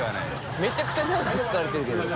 めちゃくちゃ長く使われてるけど。